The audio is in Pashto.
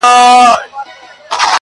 زما د آشنا غرونو کيسې کولې-